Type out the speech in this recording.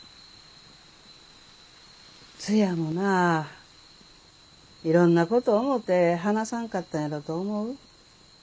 ツヤもないろんなこと思うて話さんかったんやろうと思う。